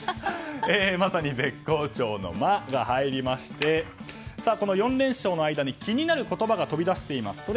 まさに絶好調の「マ」が入りましてこの４連勝の間に気になる言葉が飛び出しています。